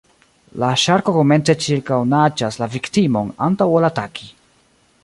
La ŝarko komence ĉirkaŭnaĝas la viktimon, antaŭ ol ataki.